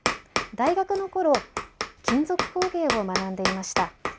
大学の頃金属工芸を学んでいました。